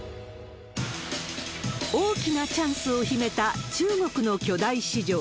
大きなチャンスを秘めた中国の巨大市場。